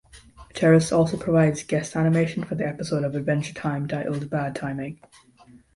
Terrace also provided guest animation for the episode of "Adventure Time" titled "Bad Timing".